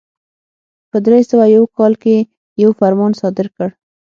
په درې سوه یو کال کې یو فرمان صادر کړ.